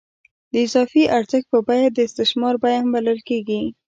د اضافي ارزښت بیه د استثمار بیه هم بلل کېږي